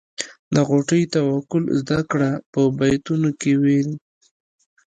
د غوټۍ توکل زده کړه په بیتونو کې وویل.